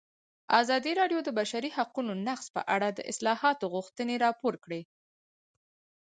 ازادي راډیو د د بشري حقونو نقض په اړه د اصلاحاتو غوښتنې راپور کړې.